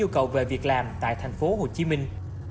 cơ hội việc làm tại thành phố hồ chí minh